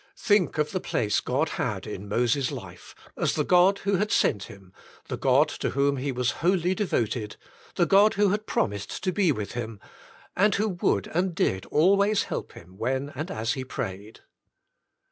Think of the place God had in Moses' life, as the God who had sent him, the God to whom he was wholly devoted, the God who had promised to be with him, and who would and did always help him when and as he prayed.